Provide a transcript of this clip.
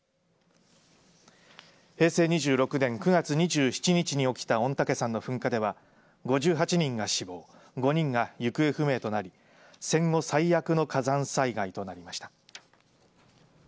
平成２６年９月２７日に起きた御嶽山の噴火では５８人が死亡５人が行方不明となり戦後最悪の火山災害となりました。